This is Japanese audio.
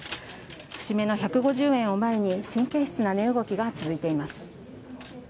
節目の１５０円を前に神経質な値動きが続いています。